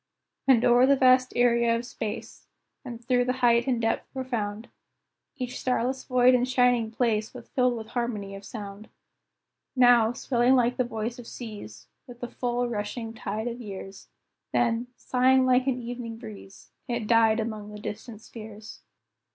And o'er the vast area of space, And through the height and depth profound, Each starless void and shining place Was filled with harmony of sound. Now, swelling like the voice of seas, With the full, rushing tide of years, Then, sighing like an evening breeze, It died among the distant spheres.